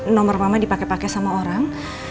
nomor mama dipake pake sama orang